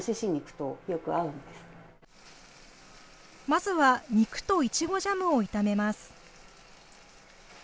まずは、肉とイチゴジャムを炒めます。